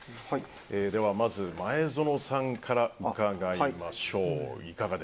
まず、前園さんから伺いましょう。